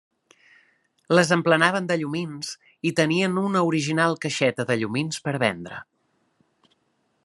Les emplenaven de llumins i tenien una original caixeta de llumins per a vendre.